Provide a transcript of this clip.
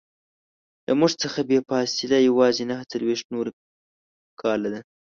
له موږ څخه یې فاصله یوازې نهه څلویښت نوري کاله ده.